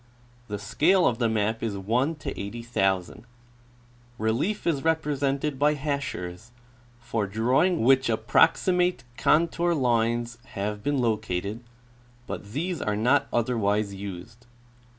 The scale of the map is 1:80,000. Relief is represented by hachures, for drawing which approxi mate contour lines have been located, but these are not otherwise used.